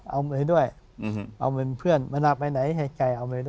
เอาไปด้วยเอาเป็นเพื่อนมานั่งไปไหนให้ใกล้เอาไปด้วย